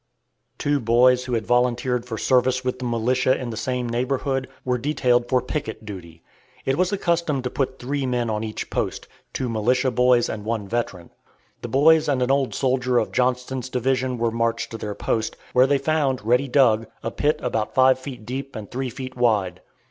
Two boys who had volunteered for service with the militia in the same neighborhood, were detailed for picket duty. It was the custom to put three men on each post, two militia boys and one veteran. The boys and an old soldier of Johnston's division were marched to their post, where they found, ready dug, a pit about five feet deep and three feet wide.